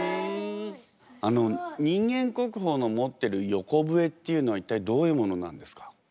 あの人間国宝の持ってる横笛っていうのは一体どういう物なんですか？